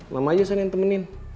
lama aja sana yang temenin